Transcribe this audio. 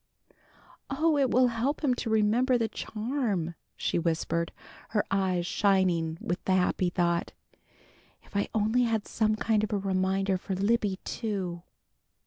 "Oh, it will help him to remember the charm!" she whispered, her eyes shining with the happy thought. "If I only had some kind of a reminder for Libby, too!"